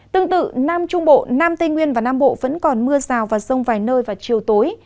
tương tự nam trung bộ nam tây nguyên và nam bộ vẫn còn mưa rào và rông vài nơi vào chiều tối